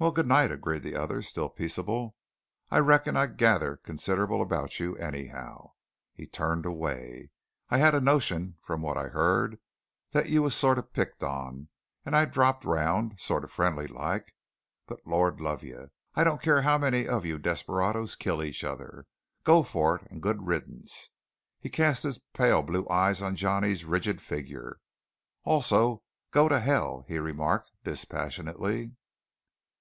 "Well, good night," agreed the other, still peaceable. "I reckon I gather considerable about you, anyhow." He turned away. "I had a notion from what I heard that you was sort of picked on, and I dropped round, sort of friendly like; but Lord love you! I don't care how many of you desperadoes kill each other. Go to it, and good riddance!" He cast his pale blue eyes on Johnny's rigid figure. "Also, go to hell!" he remarked dispassionately.